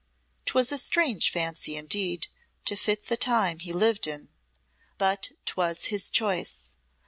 'Twas a strange fancy indeed to fit the time he lived in, but 'twas his choice.